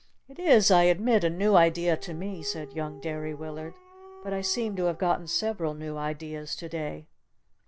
"It is, I admit, a new idea to me," said young Derry Willard. "But I seem to have gotten several new ideas to day."